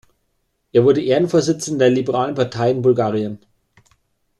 Er wurde Ehrenvorsitzender der Liberalen Partei in Bulgarien.